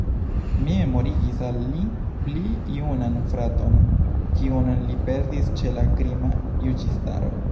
Mi memorigis al li pli junan fraton, kiun li perdis ĉe la krima juĝistaro.